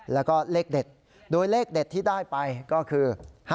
แล้วก็เลขเด็ดโดยเลขเด็ดที่ได้ไปก็คือ